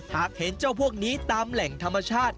หากเห็นเจ้าพวกนี้ตามแหล่งธรรมชาติ